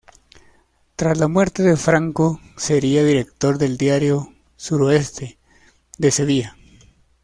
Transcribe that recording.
Tras la muerte de Franco sería director del diario "Suroeste" de Sevilla.